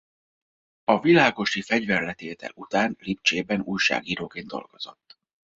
A világosi fegyverletétel után Lipcsében újságíróként dolgozott.